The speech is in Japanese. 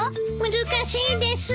難しいです。